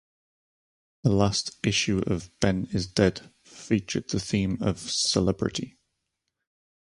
The last issue of "Ben is Dead" featured the theme of "Celebrity.